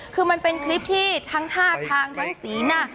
คือมันเป็นคลิปที่ทั้งท่าทางทั้งสีหน้า